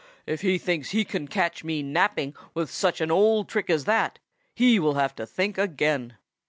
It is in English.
"If he thinks he can catch me napping with such an old trick as that, he will have to think again."